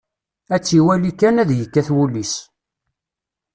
Ad tt-iwali kan, ad yekkat wul-is.